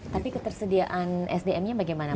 tapi ketersediaan sdm nya bagaimana